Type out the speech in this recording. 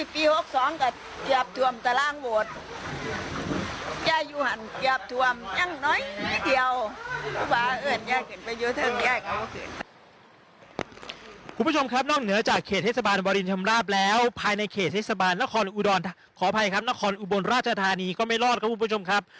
คุณผู้ชมครับนอกเหนือจากเขตเทศบาลวรินชำราบแล้วภายในเขตเทศบาลนครอุดรขออภัยครับนครอุบลราชธานีก็ไม่รอดครับคุณผู้ชมครับ